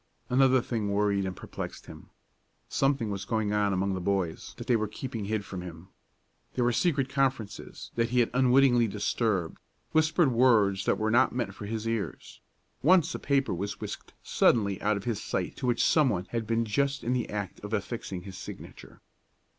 Another thing worried and perplexed him. Something was going on among the boys that they were keeping hid from him. There were secret conferences that he had unwittingly disturbed, whispered words that were not meant for his ears; once a paper was whisked suddenly out of his sight to which some one had been just in the act of affixing his signature.